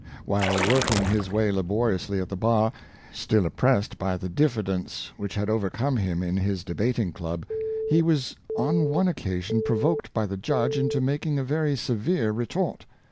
While work ing his way laboriously at the bar, still oppressed by the diffidence which had overcome him in his debating, club, he was on one occasion provoked by the Judge into making a very severe retort.